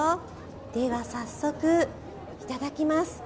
では早速いただきます。